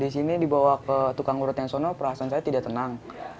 di sini dibawa ke tukang urut yang sono perasaan saya tidak tenang